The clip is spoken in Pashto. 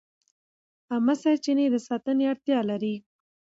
عامه سرچینې د ساتنې اړتیا لري.